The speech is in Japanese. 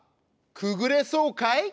くぐれそうかい？